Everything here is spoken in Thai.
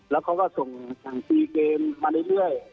แล้วเขาก็ส่งสีเกมมาได้เรื่อย